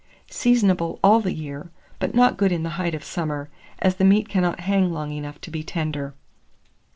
Seasonable all the year, but not good in the height of summer, as the meat cannot hang long enough to be tender.